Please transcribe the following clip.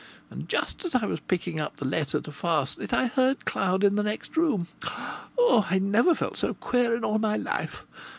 And just as I was picking up the letter to fasten it I heard Cloud in the next room. Oh! I never felt so queer in all my life!